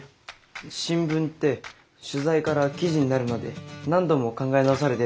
新聞って取材から記事になるまで何度も考え直されてるんだね。